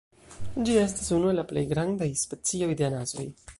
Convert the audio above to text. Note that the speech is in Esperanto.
Ĝi estas unu el la plej grandaj specioj de anasoj.